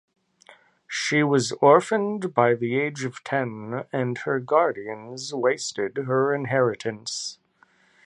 She was orphaned by the age of ten and her guardians wasted her inheritance.